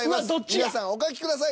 皆さんお書きください。